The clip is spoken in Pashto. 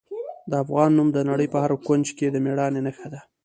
د افغان نوم د نړۍ په هر کونج کې د میړانې نښه ده.